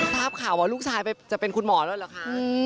ทราบข่าวว่าลูกชายจะเป็นคุณหมอแล้วเหรอคะ